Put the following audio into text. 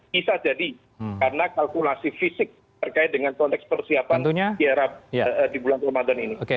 bisa jadi karena kalkulasi fisik terkait dengan konteks persiapan di arab di bulan ramadan ini